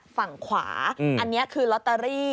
ฝั่งขวาอันนี้คือลอตเตอรี่